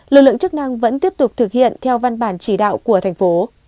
lực lượng chức năng vẫn tiếp tục thực hiện theo văn bản chỉ đạo của thành phố